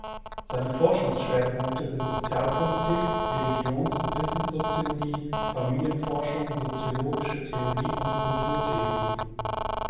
Seine Forschungsschwerpunkte sind Sozialpolitik, Religions- und Wissenssoziologie, Familienforschung, Soziologische Theorie und Kulturtheorie.